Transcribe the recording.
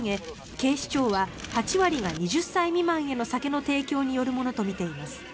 警視庁は８割が２０歳未満への酒の提供によるものとみています。